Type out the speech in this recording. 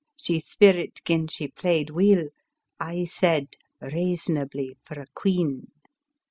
She spearit gin she played weel ; I said raisonably for a queen."